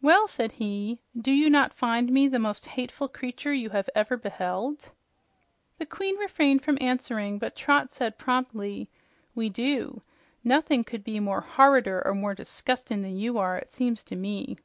"Well," said he, "do you not find me the most hateful creature you have ever beheld?" The queen refrained from answering, but Trot said promptly, "We do. Nothing could be more horrider or more disgustin' than you are, it seems to me."